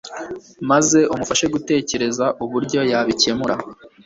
maze umufashe gutekereza uburyo yabikemura